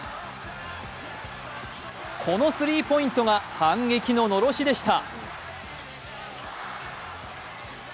このスリーポイントが反撃ののろしでした。